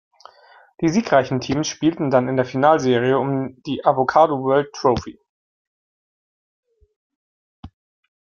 Die siegreichen Teams spielten dann in der Finalserie um die Avco World Trophy.